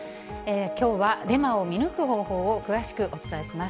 きょうはデマを見抜く方法を詳しくお伝えします。